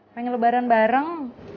pengen lebaran bareng